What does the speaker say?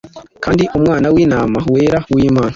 Kandi Umwana w'intama wera w'Imana